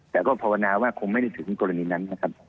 แต่ก็พาวนาว่าคงไม่ได้ถึงกรณีนั้น